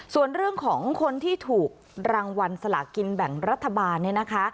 ส่วนเรื่องของคนที่ถูกรางวัลสลากินแบ่งรัฐบาลเนี่ยนะคะ